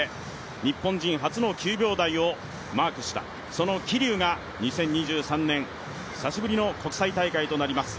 日本人初の９秒台をマークした、その桐生が２０２３年、久しぶりの国際大会となります